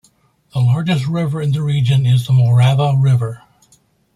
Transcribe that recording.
The largest river of the region is the Morava river.